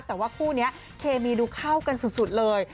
แต่ว่าคู่นี้เคมีดูเข้ากันสุดเลย